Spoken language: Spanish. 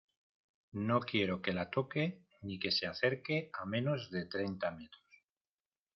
no quiero que la toque ni que se acerque a menos de treinta metros.